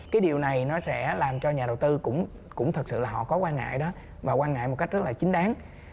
cái điều này nó sẽ làm cho nhà đầu tư cũng thật sự là họ có quan ngại đó và quan ngại một cách rất là chính đáng